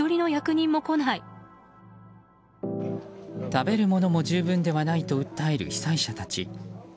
食べるものも十分ではないと訴える被災者たち。